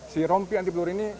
si rompi anti peluru ini